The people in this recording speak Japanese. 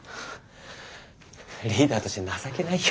リーダーとして情けないよ。